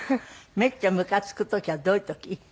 めっちゃムカつく時はどういう時？